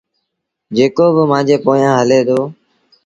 جيڪو با مآݩجي پويآنٚ هلي دو